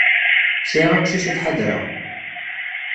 Sεiɣ aqcic ad t-ḥadreɣ.